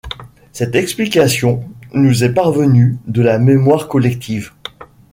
Cette explication nous est parvenue de la mémoire collective.